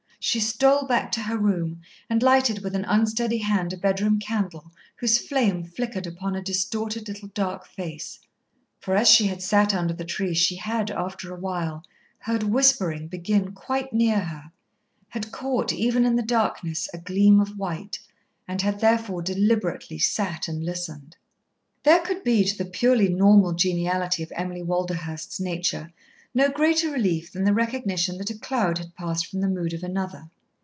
She stole back to her room, and lighted with an unsteady hand a bedroom candle, whose flame flickered upon a distorted, little dark face. For as she had sat under the tree she had, after a while, heard whispering begin quite near her; had caught, even in the darkness, a gleam of white, and had therefore deliberately sat and listened. There could be, to the purely normal geniality of Emily Walderhurst's nature, no greater relief than the recognition that a cloud had passed from the mood of another.